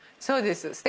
そうです。